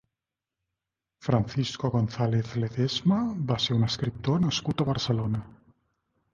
Francisco González Ledesma va ser un escriptor nascut a Barcelona.